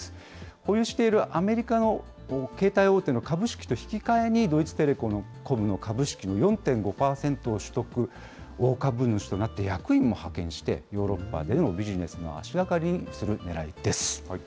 保有しているアメリカの携帯大手の株式と引き換えに、ドイツテレコムの株式の４．５％を取得、大株主となって役員も派遣して、ヨーロッパでのビジネスの足がかりにするねらいです。